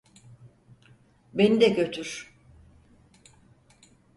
Beni de götür.